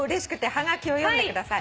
はがきを読んでください」